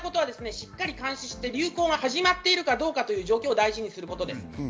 しっかり監視して、流行が始まっているかどうかを見ることです。